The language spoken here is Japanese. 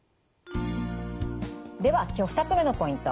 では今日２つ目のポイント。